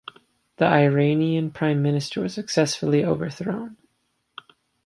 The Iranian prime minister was successfully overthrown.